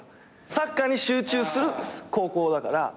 サッカーに集中する高校だから。